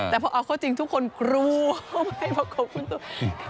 แต่พ่ออาวุธโครตจริงทุกคนกรู้ให้ประกบคุณตูน